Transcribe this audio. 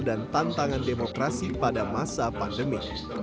dan tantangan demokrasi pada masa pandemi